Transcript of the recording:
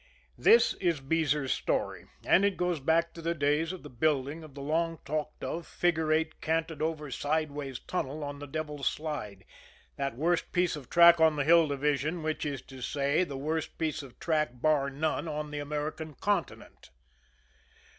This is Beezer's story, and it goes back to the days of the building of the long talked of, figure 8 canted over sideways tunnel on the Devil's Slide, that worst piece of track on the Hill Division, which is to say, the worst piece of track, bar none, on the American continent.